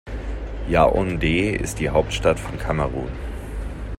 Yaoundé ist die Hauptstadt von Kamerun.